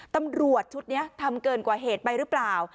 ตำรวจชุดนี้ทำเกินกว่าเหตุไปหรือเปล่า